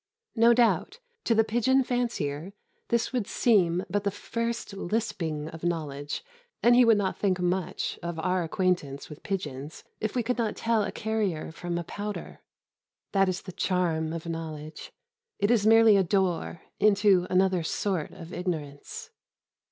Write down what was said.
No doubt to the pigeon fancier this would seem but the first lisping of knowledge, and he would not think much of our acquaintance with pigeons if we could not tell a carrier from a pouter. That is the charm of knowledge it is merely a door into another sort of ignorance.